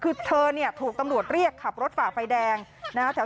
คือเธอเนี่ยถูกตำรวจเรียกขับรถฝ่าไฟแดงนะฮะ